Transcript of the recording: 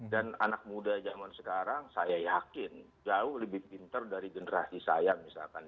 dan anak muda zaman sekarang saya yakin jauh lebih pinter dari generasi saya misalkan